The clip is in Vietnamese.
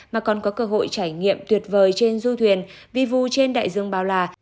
mà còn có cơ hội trải nghiệm tuyệt vời trên du thuyền vi vu trên đại dương bao là